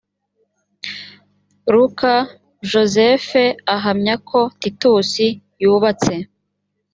luka, josephe ahamya ko titus yubatse